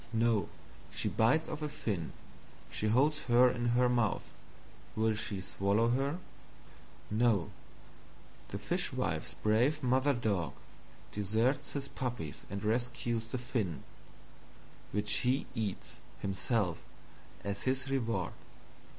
No, she bites off a Fin, she holds her in her Mouth will she swallow her? No, the Fishwife's brave Mother dog deserts his Puppies and rescues the Fin which he eats, himself, as his Reward.